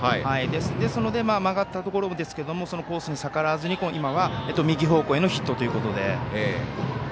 ですので曲がったところですけどそのコースに逆らわずに右方向へのヒットということで。